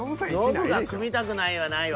ノブが「組みたくない」はないわ。